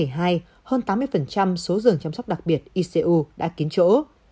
hơn tám mươi số giường chăm sóc đặc biệt icu đã kín chỗ